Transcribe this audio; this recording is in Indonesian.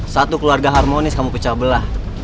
satu keluarga harmonis kamu pecah belah